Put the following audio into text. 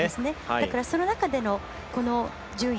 だから、その中でのこの順位